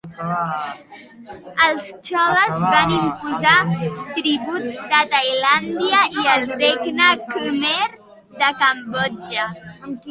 Els Txoles van imposar tribut de Tailàndia i el regne Khmer de Cambodja.